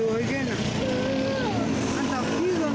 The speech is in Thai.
แม่น้องแม่น้องอยู่ที่ไหน